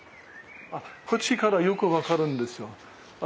こっちからよく分かるんですよ。